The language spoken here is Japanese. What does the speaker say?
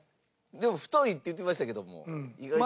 でも太いって言ってましたけども意外と。